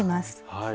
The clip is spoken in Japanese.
はい。